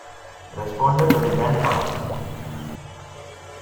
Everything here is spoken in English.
Responder will then pass.